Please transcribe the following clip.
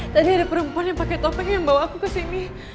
tadi ada perempuan yang pakai topeng yang bawa aku ke sini